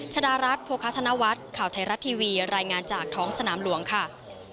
ชดารัฐโภคาธนวัฒน์ข่าวไทยรัฐทีวีรายงานจากท้องสนามหลวงค่ะ